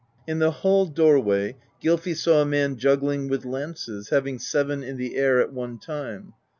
In the hall doorway Gylfi saw a man juggling with anlaces, having seven in the air at one time.